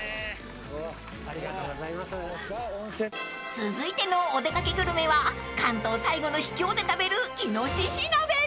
［続いてのお出掛けグルメは関東最後の秘境で食べるいのしし鍋］